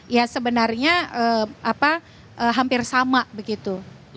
ya sebenarnya hampir sama begitu